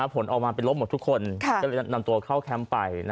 ผลออกมาเป็นลบหมดทุกคนก็เลยนำตัวเข้าแคมป์ไป